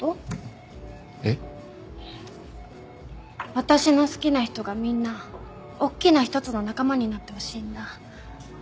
私の好きな人がみんなおっきな一つの仲間になってほしいんだ。